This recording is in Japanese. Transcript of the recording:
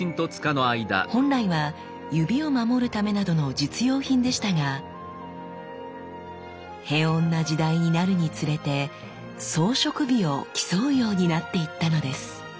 本来は指を守るためなどの実用品でしたが平穏な時代になるにつれて装飾美を競うようになっていったのです。